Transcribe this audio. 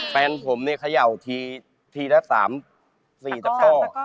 แฟนผมเนี่ยเขย่าทีละ๓๔ตะก้อ